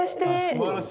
すばらしい。